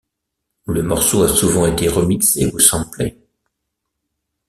Le morceau a souvent été remixé ou samplé.